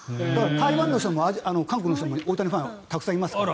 台湾の人も韓国の人も大谷ファンたくさんいますから。